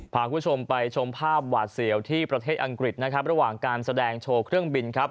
พาคุณผู้ชมไปชมภาพหวาดเสียวที่ประเทศอังกฤษนะครับระหว่างการแสดงโชว์เครื่องบินครับ